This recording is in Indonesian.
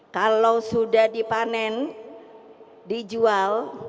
kalau sudah dipanen dijual